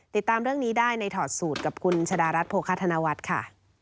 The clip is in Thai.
ติดตามเรื่องนี้ได้ในถอดสูตรกับคุณชะดารัฐโภคาธนวัฒน์ค่ะ